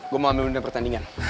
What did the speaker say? gue mau ambil benda pertandingan